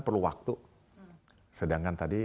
perlu waktu sedangkan tadi